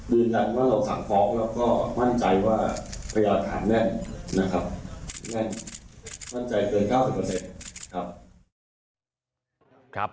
ดื่มดันว่าเราสั่งฟอร์กแล้วก็มั่นใจว่าพญาหลักฐานแน่นนะครับแน่นมั่นใจเกินเก้าสิบเปอร์เซ็นต์ครับ